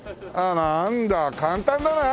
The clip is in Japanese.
なんだ簡単だな。